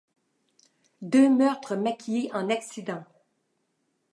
Deux meurtres maquillés en accidents.